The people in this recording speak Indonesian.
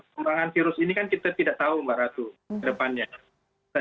kembangan virus ini kan kita tidak tahu mbak ratu ke depannya